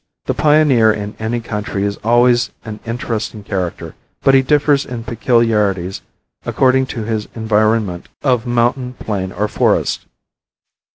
The pioneer in any country is always an interesting character, but he differs in peculiarities according to his environment of mountain, plain or forest.